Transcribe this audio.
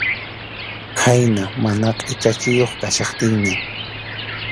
Khayna mana qʼichachiyuq kachkaptinñan.